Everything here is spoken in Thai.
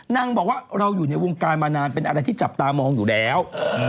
นางบอกว่าเราอยู่ในวงการมานานเป็นอะไรที่จับตามองอยู่แล้ว